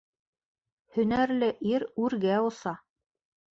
Һөнәрле ир үргә оса